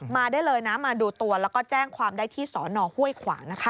มาได้เลยนะมาดูตัวแล้วก็แจ้งความได้ที่สอนอห้วยขวางนะคะ